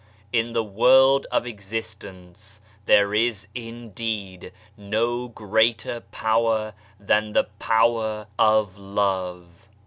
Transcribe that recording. In the world of existence there is indeed no greater power than the power of love.